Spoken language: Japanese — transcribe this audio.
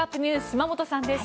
島本さんです。